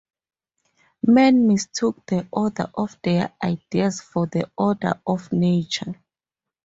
Men mistook the order of their ideas for the order of nature.